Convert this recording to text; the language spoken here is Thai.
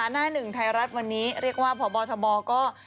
หน้าหนึ่งไทยรัฐวันนี้เรียกว่าพบชบก็